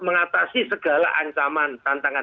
mengatasi segala ancaman tantangan